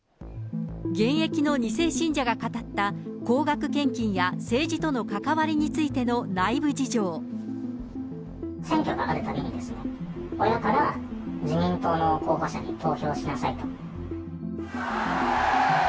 現役の２世信者が語った高額献金や政治との関わりについての選挙があるたびにですね、親から自民党の候補者に投票しなさいと。